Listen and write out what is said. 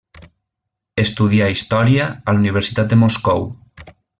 Estudià història a la Universitat de Moscou.